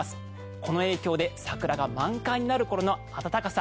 この影響で桜が満開になる頃の暖かさ。